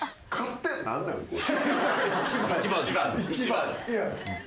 １番。